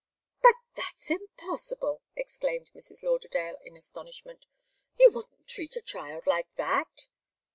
"But that's impossible!" exclaimed Mrs. Lauderdale, in astonishment. "You wouldn't treat a child like that!"